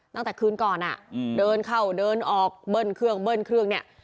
ตั้งแต่คืนก่อนอ่ะเดินเข้าเดินออกเบิ้ลเครื่องเบิ้ลเครื่องเนี่ย